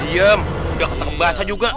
diam udah kena kebasa juga